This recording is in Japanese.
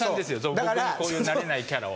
僕にこういう慣れないキャラを。